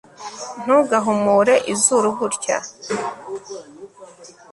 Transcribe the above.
ntugahumure izuru gutya